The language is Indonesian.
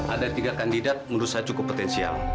ada tiga kandidat menurut saya cukup potensial